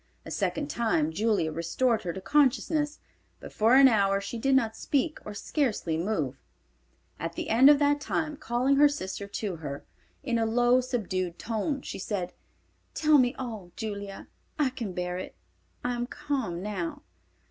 A second time Julia restored her to consciousness, but for an hour she did not speak or scarcely move. At the end of that time, calling her sister to her, in a low, subdued tone, she said, "Tell me all, Julia. I can bear it. I am calm now."